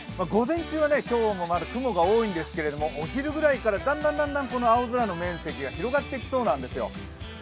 午前中は今日もまだ雲が多いんですけれどもお昼ぐらいからだんだん青空の面積が広がってきそうなんです。